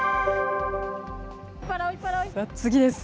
次です。